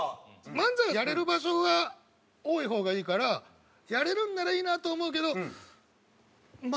漫才をやれる場所が多い方がいいからやれるんならいいなと思うけど。